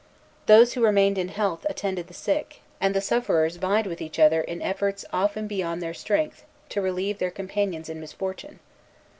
Those who remained in health attended the sick, and the sufferers vied with each other in efforts often beyond their strength to relieve their companions in misfortune.